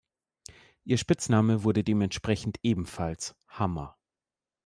Ihr Spitzname wurde dementsprechend ebenfalls „Hammer“.